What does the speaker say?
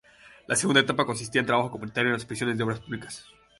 La segunda etapa consistía en trabajo comunitario en las prisiones de obras públicas.